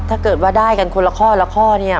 ถ้าเกิดว่าได้กันคนละข้อละข้อเนี่ย